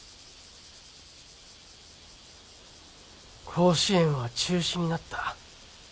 甲子園は中止になった。